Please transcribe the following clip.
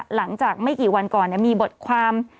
หลังจากไม่กี่วันก่อนมีบทความ